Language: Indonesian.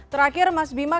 terakhir mas bima